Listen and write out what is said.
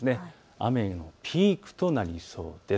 雨のピークとなりそうです。